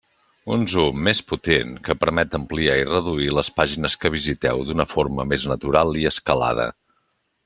Un zoom més potent, que permet ampliar i reduir les pàgines que visiteu d'una forma més natural i escalada.